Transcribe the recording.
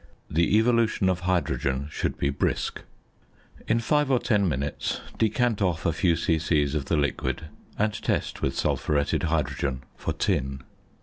The evolution of hydrogen should be brisk. In five or ten minutes decant off a few c.c. of the liquid, and test with sulphuretted hydrogen for tin.